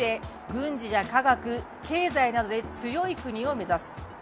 軍事や科学、経済などで強い国を目指す。